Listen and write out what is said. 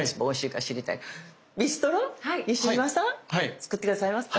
作って下さいますか？